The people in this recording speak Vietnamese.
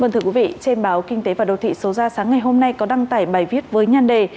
trên báo kinh tế và đầu thị số ra sáng ngày hôm nay có đăng tải bài viết với nhan đề